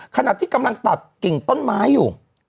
ขณะที่กำลังตัดกิ่งต้นไม้อยู่